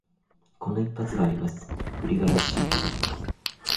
この一発があります、グリガラシビリ。